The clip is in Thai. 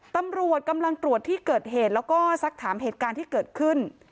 ตำรวจกำลังตรวจที่เกิดเหตุแล้วก็สักถามเหตุการณ์ที่เกิดขึ้น